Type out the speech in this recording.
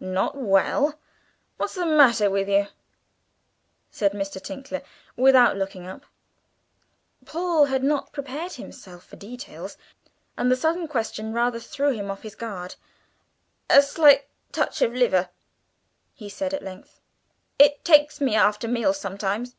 "Not well! What's the matter with you?" said Mr. Tinkler, without looking up. Paul had not prepared himself for details, and the sudden question rather threw him off his guard. "A slight touch of liver," he said at length. "It takes me after meals sometimes."